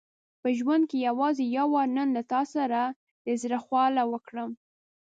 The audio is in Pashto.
په ژوند کې یوازې یو وار نن له تا سره د زړه خواله وکړم.